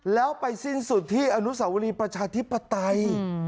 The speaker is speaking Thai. แล้วไปสิ้นสุดที่อนุสาวรีประชาธิปไตย